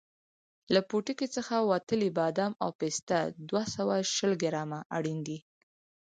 له پوټکي څخه وتلي بادام او پسته دوه سوه شل ګرامه اړین دي.